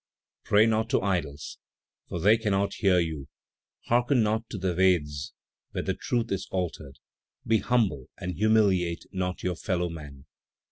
"Pray not to idols, for they cannot hear you; hearken not to the Vedas where the truth is altered; be humble and humiliate not your fellow man.